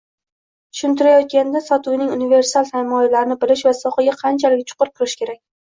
tushuntirayotganda sotuvning universal tamoyillarini bilish va sohaga qanchalik chuqur kirish kerak?